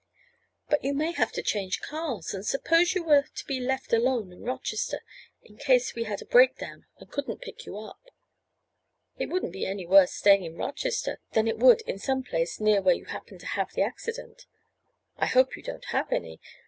"But you may have to change cars, and suppose you were to be left alone in Rochester in case we had a breakdown and couldn't pick you up?" "It wouldn't be any worse staying in Rochester than it would in some place near where you happened to have the accident. I hope you don't have any.